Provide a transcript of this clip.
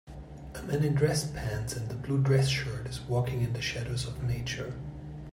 A man in dress pants and a blue dress shirt is walking in the shadows of nature.